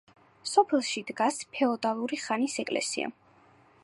სოფელში დგას ფეოდალური ხანის ეკლესია.